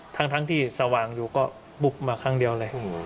ทั้งที่สว่างอยู่ก็บุกมาครั้งเดียวเลย